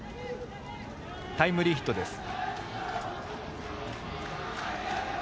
タイムリーヒットです。